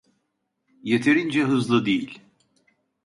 Yeterince hızlı değil.